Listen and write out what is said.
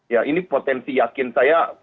ya ini potensi yakin saya